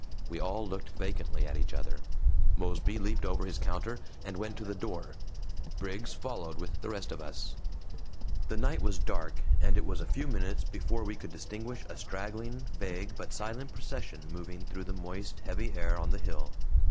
We all looked vacantly at each other; Mosby leaped over his counter and went to the door; Briggs followed with the rest of us. The night was dark, and it was a few minutes before we could distinguish a straggling, vague, but silent procession moving through the moist, heavy air on the hill.